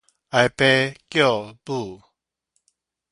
哀父叫母